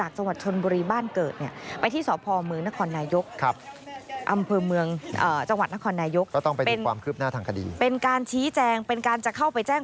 เป็นการชี้แจงเป็นการจะเข้าไปแจ้ง